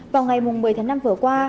vào ngày một mươi tháng năm vừa qua